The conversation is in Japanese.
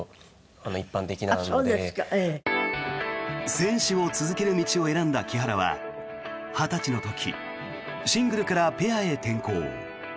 選手を続ける道を選んだ木原は２０歳の時シングルからペアへ転向。